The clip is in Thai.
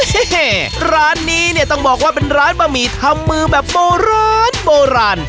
ร้านนี้เนี่ยต้องบอกว่าเป็นร้านบะหมี่ทำมือแบบโบราณโบราณ